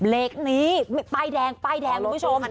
เลขนี้ปลายแดงคุณผู้ชม